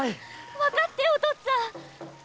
わかってお父っつぁん！